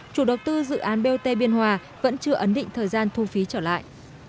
chủ đầu tư dự án bot biên hòa vẫn chưa ấn định thời gian thu phí trở lại